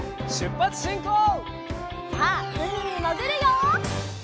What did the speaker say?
さあうみにもぐるよ！